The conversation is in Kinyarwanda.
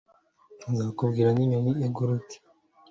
nzakubwira n'inyoni iguruka